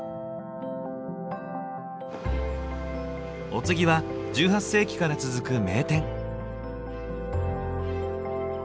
お次は１８世紀から続く名店。